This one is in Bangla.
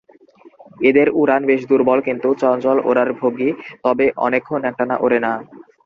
এদের উড়ান বেশ দুর্বল কিন্তু চঞ্চল ওড়ার ভঙ্গি তবে অনেকক্ষণ একটানা ওড়ে না।